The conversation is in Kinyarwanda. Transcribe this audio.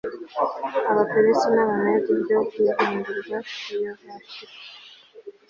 abaperesi n abamedi ryo guhindurwa iyo vashiti